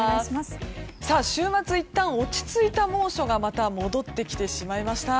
週末いったん落ち着いた猛暑がまた戻ってきてしまいました。